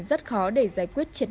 rất khó để giải quyết triệt để